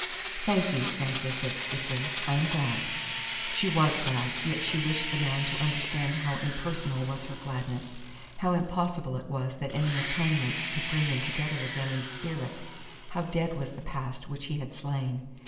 "Thank you," Annesley said, stiffly. "I am glad." She was glad, yet she wished the man to understand how impersonal was her gladness; how impossible it was that any atonement could bring them together again in spirit; how dead was the past which he had slain.